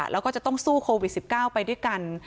แล้วก็จะต้องสู้โควิด๑๙ไปด้วยกัน